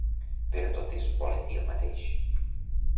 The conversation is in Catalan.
Però totes volen dir el mateix.